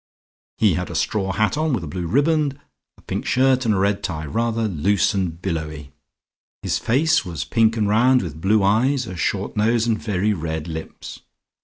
He had a straw hat on, with a blue riband, a pink shirt and a red tie, rather loose and billowy. His face was pink and round, with blue eyes, a short nose and very red lips.